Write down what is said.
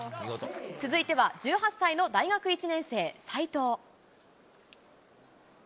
続いては１８歳の大学１年生、斉藤。